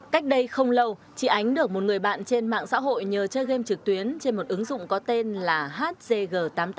cách đây không lâu chị ánh được một người bạn trên mạng xã hội nhờ chơi game trực tuyến trên một ứng dụng có tên là hzg tám mươi tám